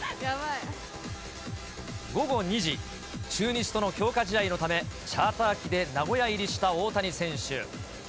午後２時、中日との強化試合のため、チャーター機で名古屋入りした大谷選手。